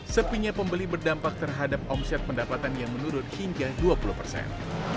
sepinya pembeli berdampak terhadap omset pendapatan yang menurun hingga dua puluh persen